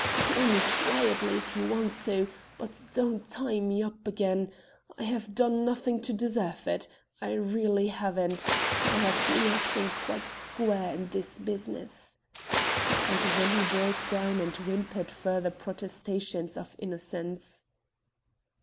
"Kill me quietly if you want to, but don't tie me up again. I have done nothing to deserve it. I really haven't. I have been acting quite square in this business." And then he broke down and whimpered further protestations of innocence.